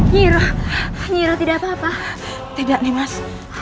nyira nyira tidak apa apa tidak nimas